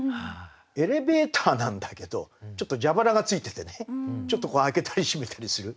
エレベーターなんだけどちょっと蛇腹がついててね開けたり閉めたりする。